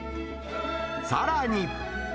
さらに。